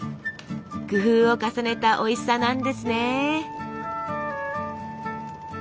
工夫を重ねたおいしさなんですね。